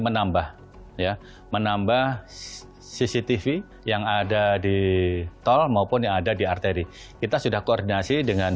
menambah ya menambah cctv yang ada di tol maupun yang ada di arteri kita sudah koordinasi dengan